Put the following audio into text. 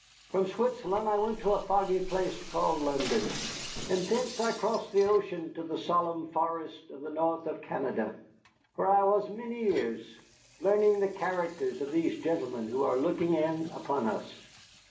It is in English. From Switzerland I went to a foggy place called London, and thence I crossed the ocean to the solemn forests of the north of Canada, where I was many years, learning the characters of these gentlemen who are looking in upon us."